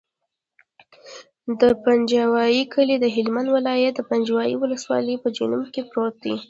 د پنجوایي کلی د هلمند ولایت، پنجوایي ولسوالي په جنوب کې پروت دی.